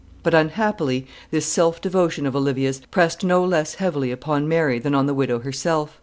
But, unhappily, this self devotion of Olivia's pressed no less heavily upon Mary than on the widow herself.